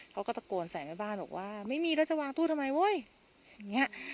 เขาก็ตะโกนใส่แม่บ้านบอกว่าไม่มีแล้วจะวางตู้ทำไมเว้ยอย่างเงี้ย